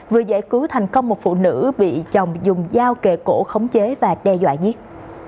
vừa giải cứu thành công một phụ nữ bị chồng dùng dao kề cổ khống chế và đe dọa giết